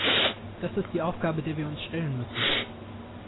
Das ist die Aufgabe, der wir uns stellen müssen.